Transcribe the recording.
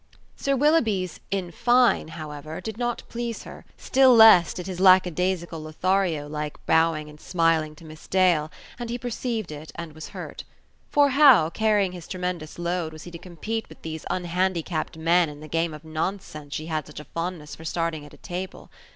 Sir Willoughby's "in fine", however, did not please her: still less did his lackadaisical Lothario like bowing and smiling to Miss Dale: and he perceived it and was hurt. For how, carrying his tremendous load, was he to compete with these unhandicapped men in the game of nonsense she had such a fondness for starting at a table?